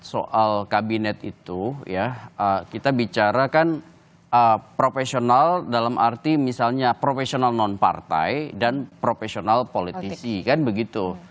soal kabinet itu ya kita bicara kan profesional dalam arti misalnya profesional non partai dan profesional politisi kan begitu